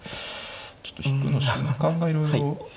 ちょっと引くの瞬間がいろいろ。